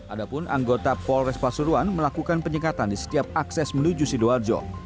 adapun anggota pol restasi suruan melakukan penyekatan di setiap akses menuju sidoarjo